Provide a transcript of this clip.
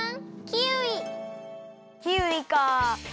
キウイかあ。